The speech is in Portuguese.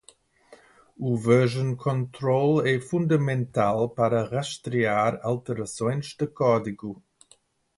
O Version Control é fundamental para rastrear alterações de código.